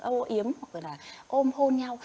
âu yếm hoặc là ôm hôn nhau